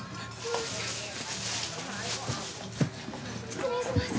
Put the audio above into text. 失礼します。